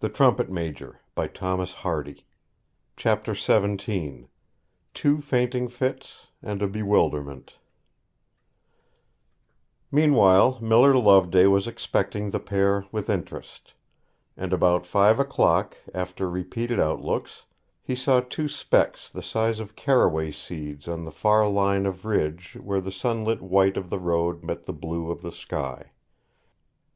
She thought so too, and thus they chatted on. XVII. TWO FAINTING FITS AND A BEWILDERMENT Meanwhile Miller Loveday was expecting the pair with interest; and about five o'clock, after repeated outlooks, he saw two specks the size of caraway seeds on the far line of ridge where the sunlit white of the road met the blue of the sky.